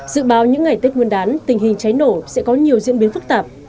dự báo những ngày tết nguyên đán tình hình cháy nổ sẽ có nhiều diễn biến phức tạp